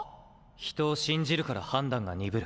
人を信じるから判断が鈍る。